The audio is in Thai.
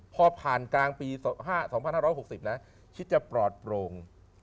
พอผ่านกลางปี๒๕๖๐นะคิดจะปลอดโปร่ง